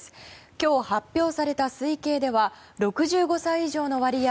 今日発表された推計では６５歳以上の割合